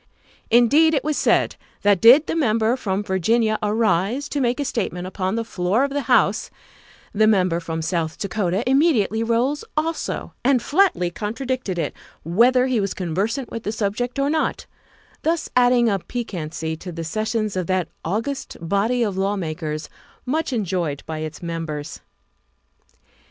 Indeed, it was said that did the Member from Virginia arise to make a statement upon the floor of the House, the Member from South Dakota immediately rose also and flatly contra dicted it, whether he was conversant with the subject or not, thus adding a piquancy to the sessions of that august body of lawmakers much enjoyed by its members.